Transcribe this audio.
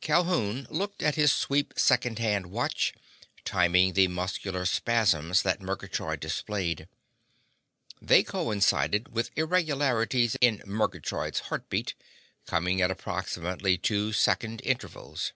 Calhoun looked at his sweep second watch, timing the muscular spasms that Murgatroyd displayed. They coincided with irregularities in Murgatroyd's heartbeat, coming at approximately two second intervals.